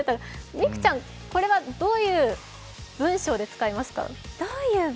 美空ちゃん、これはどういう文章で使いますか？